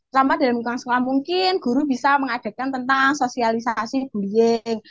selama dalam lingkungan sekolah mungkin guru bisa mengadakan tentang sosialisasi bullying